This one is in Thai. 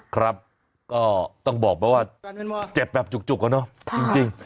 ครับก็ต้องบอกไปว่าเจ็บแบบจุกอะเนาะจริง